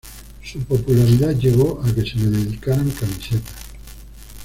Su popularidad llegó a que se le dedicaran camisetas.